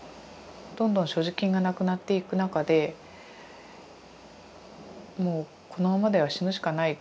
どんどん所持金がなくなっていく中でもうこのままでは死ぬしかない。